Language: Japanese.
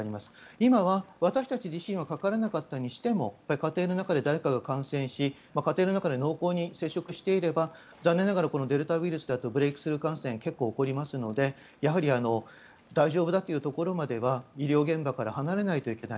今は私たち自身はかからなかったにしても家庭の中で誰かが感染し家庭の中で濃厚に接触していれば残念ながらこのデルタウイルスだとブレークスルー感染が結構起こりますので、やはり大丈夫だというところまでは医療現場から離れないといけない。